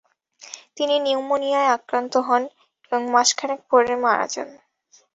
তিনি নিউমোনিয়ায় আক্রান্ত হন, এবং মাসখানেক পরে মারা যান।